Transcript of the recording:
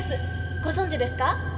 ご存じですか？